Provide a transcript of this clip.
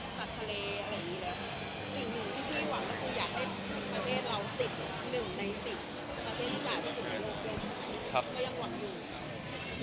สิ่งหนึ่งที่พี่หวังก็คืออยากให้ประเทศเราติด๑ใน๑๐ประเทศอาทิตย์ประโยชน์